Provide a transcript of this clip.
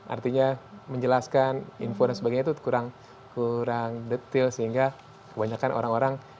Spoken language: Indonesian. artinya menjelaskan info dan sebagainya itu kurang detail sehingga kebanyakan orang orang